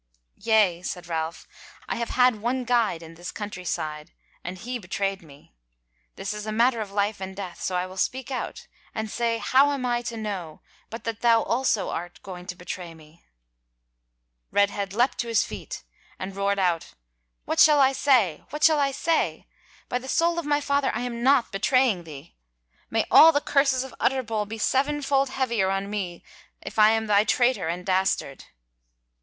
"Yea," said Ralph, "I have had one guide in this country side and he bewrayed me. This is a matter of life and death, so I will speak out and say how am I to know but that thou also art going about to bewray me?" Redhead lept up to his feet, and roared out: "What shall I say? what shall I say? By the soul of my father I am not bewraying thee. May all the curses of Utterbol be sevenfold heavier on me if I am thy traitor and dastard."